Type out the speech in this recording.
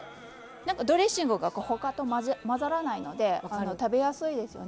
ドレッシングが他と混ざらないので食べやすいですよね。